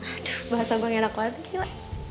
aduh bahasa gue gak enak banget gila